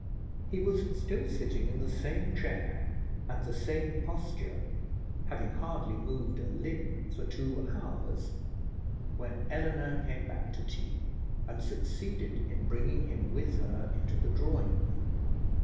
He was still sitting in the same chair and the same posture, having hardly moved a limb for two hours, when Eleanor came back to tea, and succeeded in bringing him with her into the drawing room.